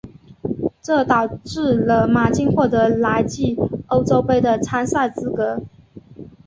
这导致了马竞获得来季欧洲杯的参赛资格。